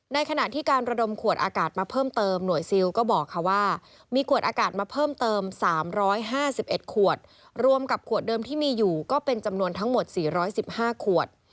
ในขณะที่การระดมขวดอากาศมาเพิ่มเติมหน่วยซิลก็บอกค่ะว่ามีขวดอากาศมาเพิ่มเติม๓๕๑ขวดรวมกับขวดเดิมที่มีอยู่ก็เป็นจำนวนทั้งหมด๔๑๕ขวด